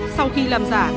sau khi làm giả